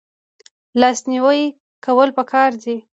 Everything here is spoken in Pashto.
لاس نیوی کول پکار دي